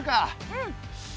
うん！